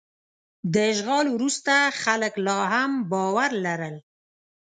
د اشغال وروسته خلک لا هم باور لرل.